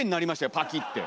パキッて。